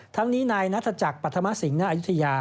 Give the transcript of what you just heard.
ทั้งนี้นายนัทจักรปัธมสิงหณอายุทยา